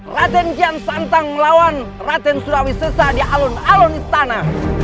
raden kian santang melawan raden surawisesa di alun alun istana